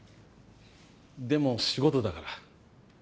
でも仕事だから。